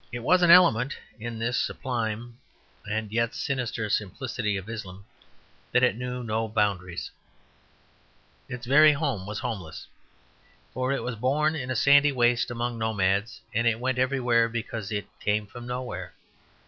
It was an element in this sublime and yet sinister simplicity of Islam that it knew no boundaries. Its very home was homeless. For it was born in a sandy waste among nomads, and it went everywhere because it came from nowhere.